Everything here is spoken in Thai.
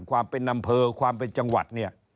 ความเป็นนำเผอความเป็นจังหวัด